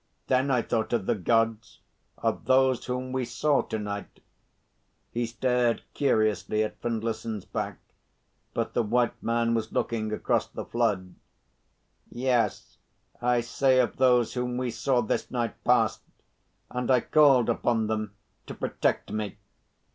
Then I thought of the Gods of Those whom we saw to night," he stared curiously at Findlayson's back, but the white man was looking across the flood. "Yes, I say of Those whom we saw this night past, and I called upon Them to protect me.